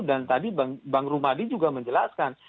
dan tadi bang rumadi juga menjelaskan